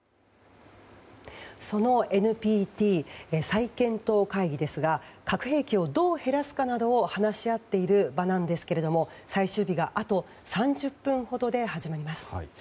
ＮＰＴ再検討会議ですが核兵器をどう減らすかなどを話し合っている場なんですが最終日があと３０分ほどで始まります。